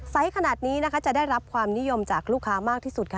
ไซส์ขนาดนี้จะได้รับความนิยมจากลูกค้ามากที่สุด